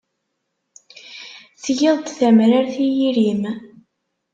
Tgiḍ-d tamrart i yiri-m.